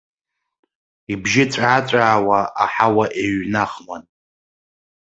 Ибжьы ҵәаа-ҵәаауа аҳауа еиҩнахуан.